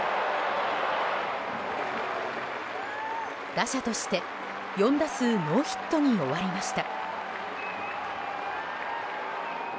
打者として、４打数ノーヒットに終わりました。